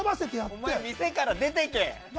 お前、店から出て行け！